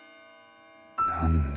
何だ？